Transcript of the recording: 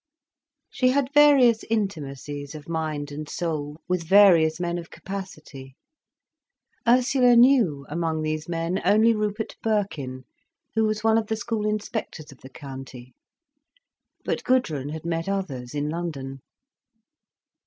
She had various intimacies of mind and soul with various men of capacity. Ursula knew, among these men, only Rupert Birkin, who was one of the school inspectors of the county. But Gudrun had met others, in London.